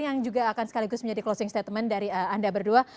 yang juga akan sekaligus menjadi closing statement dari anda berdua